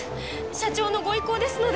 社長のご意向ですので。